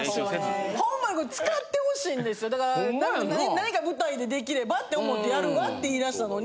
何か舞台で出来ればって思ってやるわって言い出したのに。